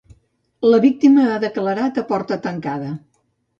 La víctima ha declarat a porta tancada.